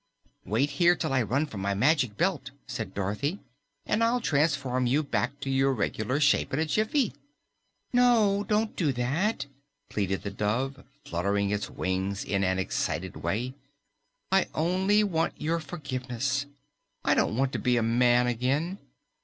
"Wait here till I run for my Magic Belt," said Dorothy, "and I'll transform you back to your reg'lar shape in a jiffy." "No, don't do that!" pleaded the dove, fluttering its wings in an excited way. "I only want your forgiveness. I don't want to be a man again.